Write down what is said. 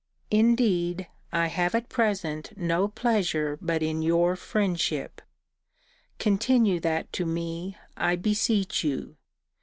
Indeed I have at present no pleasure but in your friendship. Continue that to me, I beseech you.